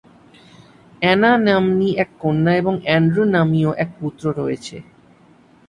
Anna নাম্নী এক কন্যা ও অ্যান্ড্রু নামীয় এক পুত্র রয়েছে।